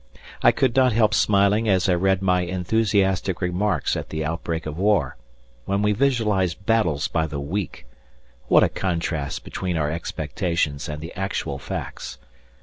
I could not help smiling as I read my enthusiastic remarks at the outbreak of war, when we visualized battles by the week. What a contrast between our expectations and the actual facts.